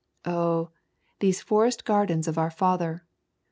Oh, these forest gardens of our Father!